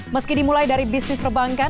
meski dimulai dari bisnis perbankan